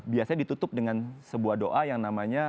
biasanya ditutup dengan sebuah doa yang namanya